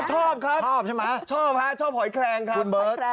ชอบครับชอบใช่ไหมครับคุณเบิร์ตชอบครับชอบหอยแครงครับ